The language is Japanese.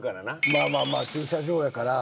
まあまあまあ駐車場やから。